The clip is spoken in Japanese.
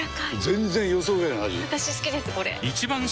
私好きですこれ！